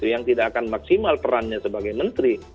yang tidak akan maksimal perannya sebagai menteri